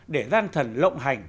để gian thần lộng hành